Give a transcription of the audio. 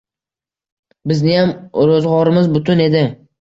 Bizniyam roʻzgʻorimiz butun edi.